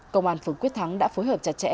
công an phường quyết thắng đã phối hợp chặt chẽ